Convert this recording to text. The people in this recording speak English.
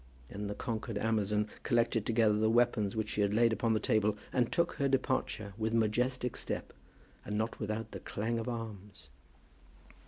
Then the conquered amazon collected together the weapons which she had laid upon the table, and took her departure with majestic step, and not without the clang of arms.